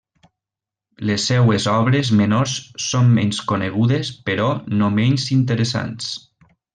Les seues obres menors són menys conegudes però no menys interessants.